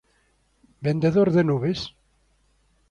vendedor de nubes?